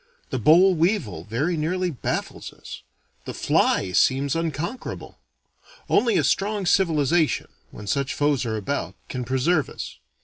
The boll weevil very nearly baffles us. The fly seems unconquerable. Only a strong civilization, when such foes are about, can preserve us.